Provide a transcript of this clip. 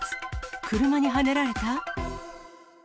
車にはねられた？